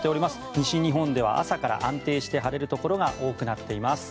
西日本では朝から安定して晴れるところが多くなっています。